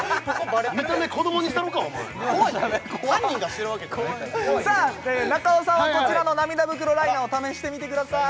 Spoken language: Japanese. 見た目子供にしたろかお前怖いな犯人がしてるわけじゃないからさあ中尾さんはこちらの涙袋ライナーを試してみてください